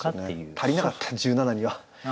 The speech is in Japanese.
足りなかった十七には。